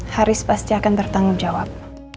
haris pasti akan bertanggung jawab